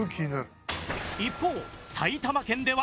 一方埼玉県では。